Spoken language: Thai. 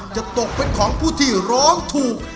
จะตกเป็นของผู้ที่ร้องถูก